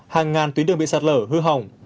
hàng ngàn tuyến đường bị sạt lở hư hỏng